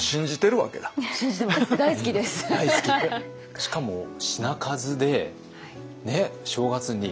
しかも品数で正月に。